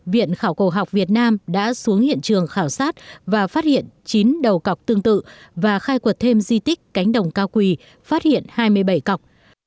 viện khảo cầu học việt nam đã xuống hiện trường khảo sát và phát hiện chín đầu cọc tương tự và khai quật thêm di tích cánh đồng cao quỳ phát hiện hai mươi bảy cọc